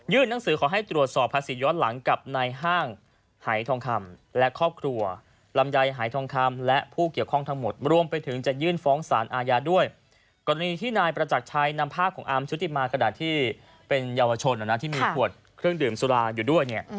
ยุติมาขณะที่เป็นเยาวชนนะที่มีขวดเครื่องดื่มสุราอยู่ด้วยเนี่ย